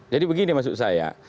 jadi begini maksud saya